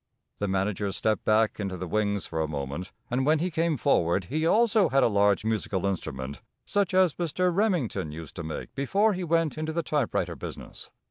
The manager stepped back into the wings for a moment, and when he came forward he also had a large musical instrument such as Mr. Remington used to make before he went into the type writer business.